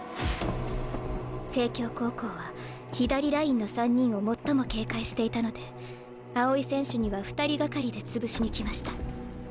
成京高校は左ラインの３人を最も警戒していたので青井選手には２人がかりで潰しに来ました。